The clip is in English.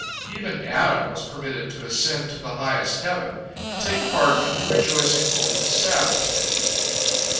Even Adam was permitted to ascend to the highest heaven, to take part in the rejoicing over the Sabbath.